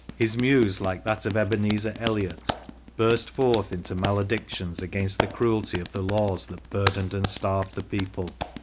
His muse, like that of Ebenezer Elliott, burst forth into maledictions against the cruelty of the laws that burdened and starved the people.